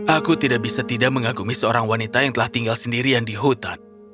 aku tidak bisa tidak mengagumi seorang wanita yang telah tinggal sendirian di hutan